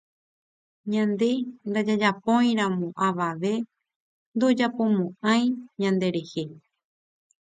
Ñande ndajajapóiramo avave ndojapomoʼãi ñanderehe.